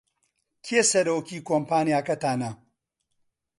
کێ سەرۆکی کۆمپانیاکەتانە؟